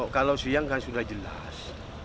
kalau siang kan sudah jelas